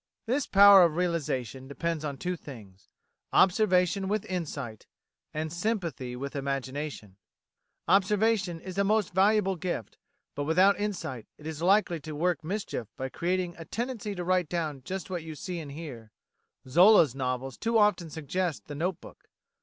This power of realisation depends on two things: Observation with insight, and Sympathy with imagination. Observation is a most valuable gift, but without insight it is likely to work mischief by creating a tendency to write down just what you see and hear. Zola's novels too often suggest the note book.